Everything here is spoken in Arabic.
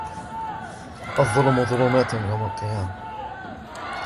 الظلم ظلمات يوم القيامة